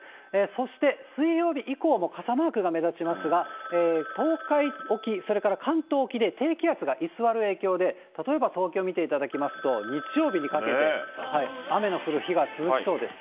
そして、水曜日以降も傘マークが目立ちますが、東海沖、それから関東沖で低気圧が居座る影響で、例えば、東京見ていただきますと、日曜日にかけて雨の降る日が続きそうです。